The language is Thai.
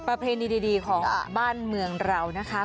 เพณีดีของบ้านเมืองเรานะคะ